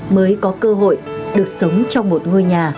mới có cơ hội được sống trong một ngôi nhà